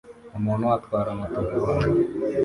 Umuntu atwara moto vuba